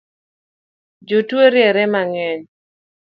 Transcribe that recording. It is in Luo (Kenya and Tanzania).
Jatuo riere mang’eny